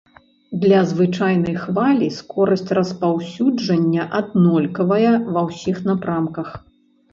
Для звычайнай хвалі скорасць распаўсюджання аднолькавая ва ўсіх напрамках.